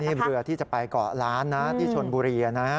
นี่เรือที่จะไปเกาะล้านนะที่ชนบุรีนะ